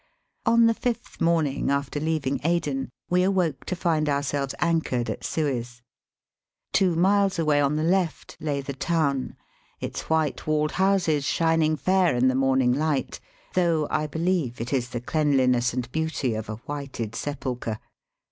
On the fifth morning after leaving Aden we awoke to find ourselves anchored at Suez. Two miles away on the left, lay the town, its white walled houses shining fair in the morn ing Hght, though I believe it is the cleanliness and beauty of a whited sepulchre.